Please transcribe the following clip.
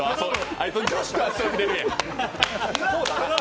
あいつ、女子と遊んでるやん。